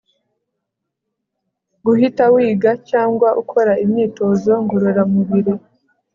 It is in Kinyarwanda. Guhita wiga cyangwa ukora imyitozo ngororamubiri